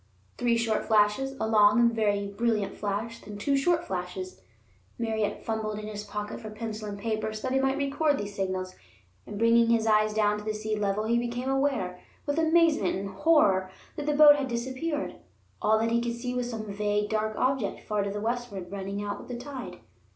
Three short flashes, a long and very brilliant flash, then two short flashes. Merritt fumbled in his pocket for pencil and paper so that he might record these signals, and, bringing his eyes down to the sea level, he became aware, with amazement and horror, that the boat had disappeared. All that he could see was some vague, dark object far to westward, running out with the tide.